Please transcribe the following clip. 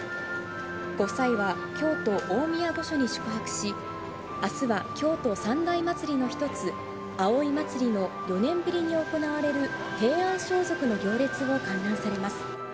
ご夫妻は、京都大宮御所に宿泊し、あすは京都三大祭の一つ、葵祭の４年ぶりに行われる平安装束の行列を観覧されます。